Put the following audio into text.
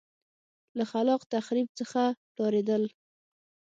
له خلاق تخریب څخه ډارېدل.